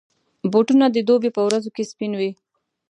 بوټونه د دوبي پر ورځو کې سپین وي.